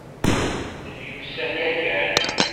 Nemyussan yakan.